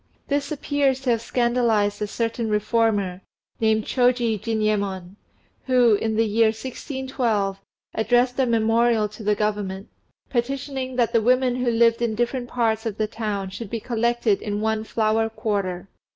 This appears to have scandalized a certain reformer, named Shôji Jinyémon, who, in the year 1612, addressed a memorial to the Government, petitioning that the women who lived in different parts of the town should be collected in one "Flower Quarter."